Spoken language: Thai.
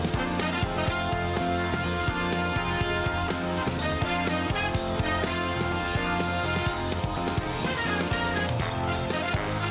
สวัสดีค่ะ